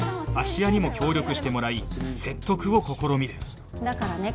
芦屋にも協力してもらい説得を試みるだからね